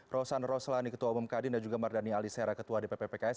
rosan roslani ketua umum kadin dan juga mardhani ali sehera ketua dpp pks